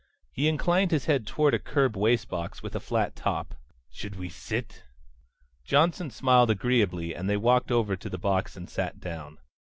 He inclined his head toward a curb wastebox with a flat top. "Should we sit?" Johnson smiled agreeably and they walked over to the box and sat down.